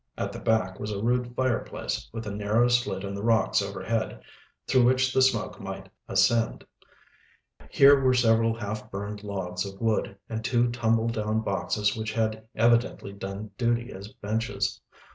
At the back was a rude fireplace, with a narrow slit in the rocks overhead, through which the smoke might ascend. Here were several half burned logs of wood, and two tumble down boxes which had evidently done duty as benches.